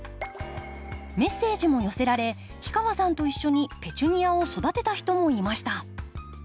メッセージも寄せられ氷川さんと一緒にペチュニアを育てた人もいました。